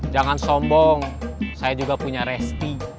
jangan sombong saya juga punya resti